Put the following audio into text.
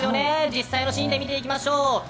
実際のシーンで見ていきましょう。